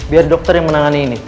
yang menangani ini